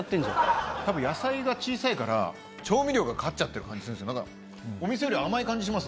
多分野菜が小さいから調味料が勝っちゃってる感じ。